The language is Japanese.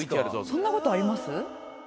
そんな事あります？